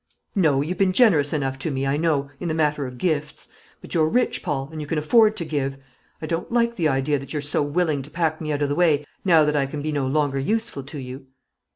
"No; you've been generous enough to me, I know, in the matter of gifts; but you're rich, Paul, and you can afford to give. I don't like the idea that you're so willing to pack me out of the way now that I can be no longer useful to you."